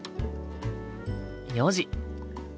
４時。